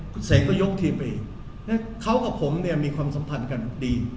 คุณเสกก็ยกทีมไปเองเขากับผมเนี่ยมีความสัมพันธ์กันดี